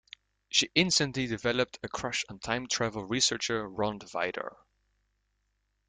She instantly developed a crush on time-travel researcher Rond Vidar.